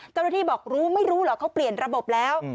เจ้าหน้าที่บอกรู้ไม่รู้เหรอเขาเปลี่ยนระบบแล้ว